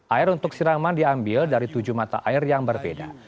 air untuk siraman diambil dari tujuh mata air yang berbeda